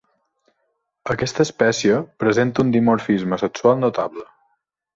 Aquesta espècie presenta un dimorfisme sexual notable.